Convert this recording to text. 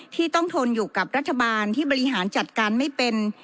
ที่ต้องทนอยู่กับรัฐบาลที่บริหารจัดการไม่เป็น